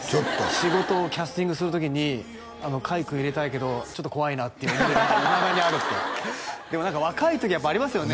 仕事をキャスティングする時に海君入れたいけどちょっと怖いなっていう思いがいまだにあるってでも何か若い時はやっぱありますよね